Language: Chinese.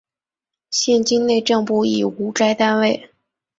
现今内政部已无该单位。